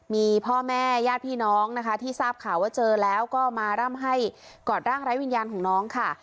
มีพ่อแม่ญาติพี่น้องนะคะที่ทราบข่าวว่าเจอแล้วก็มาร่ำให้กอดร่างไร้วิญญาณของน้องค่ะ